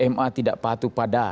ma tidak patuh pada